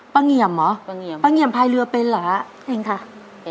ป้าเงียมเหรอป้าเงียมพายเรือเป็นเหรอป้าเงียมพายเรือเป็นเหรอ